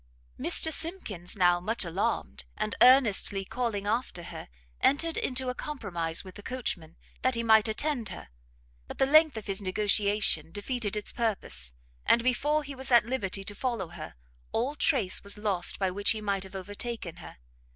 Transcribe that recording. Mr Simkins now, much alarmed, and earnestly calling after her, entered into a compromise with the coachman, that he might attend her; but the length of his negociation defeated its purpose, and before he was at liberty to follow her, all trace was lost by which he might have overtaken her.